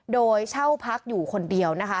โดยเช่าพักอยู่คนเดียวนะคะ